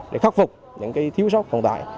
để khắc phục những thiếu sóc còn tại